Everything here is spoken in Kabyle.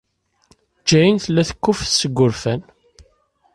Jane tella tekkuffet seg wurfan.